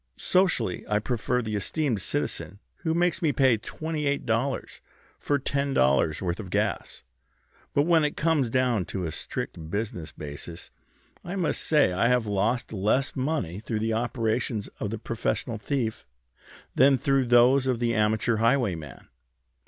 Socially I prefer the esteemed citizen who makes me pay twenty eight dollars for ten dollars' worth of gas; but when it comes down to a strict business basis I must say I have lost less money through the operations of the professional thief than through those of the amateur highwayman.